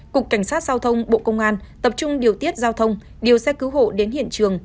cục cảnh sát giao thông bộ công an tập trung điều tiết giao thông điều xe cứu hộ đến hiện trường